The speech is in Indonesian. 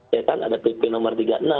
ya kan ada pp nomor tiga puluh enam